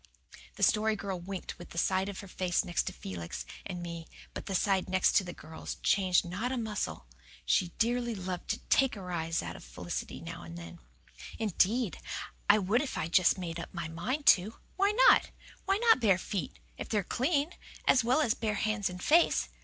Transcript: The Story Girl winked with the side of her face next to Felix and me, but the side next the girls changed not a muscle. She dearly loved to "take a rise" out of Felicity now and then. "Indeed, I would if I just made up my mind to. Why not? Why not bare feet if they're clean as well as bare hands and face?"